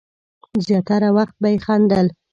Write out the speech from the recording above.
زیاتره وخت به یې خندل.